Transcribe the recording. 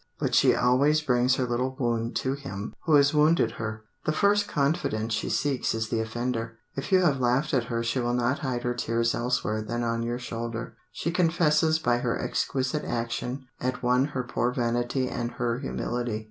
But she always brings her little wound to him who has wounded her. The first confidant she seeks is the offender. If you have laughed at her she will not hide her tears elsewhere than on your shoulder. She confesses by her exquisite action at one her poor vanity and her humility.